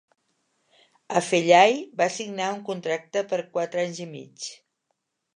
Afellay va signar un contracte per quatre anys i mig.